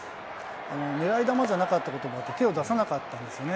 ねらい球じゃなかったこともあって、手を出さなかったんですよね。